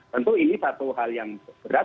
tentu ini satu hal yang berat